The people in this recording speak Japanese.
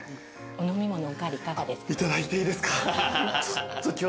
お飲み物お代わりいかがですか？